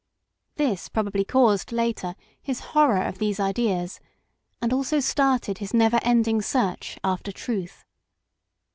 This probably caused, later, his horror of these ideas, and also started his never ending search after truth.